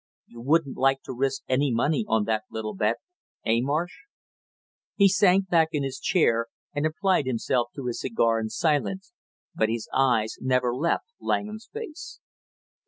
"You wouldn't like to risk any money on that little bet, eh, Marsh?" He sank back in his chair and applied himself to his cigar in silence, but his eyes never left Langham's face.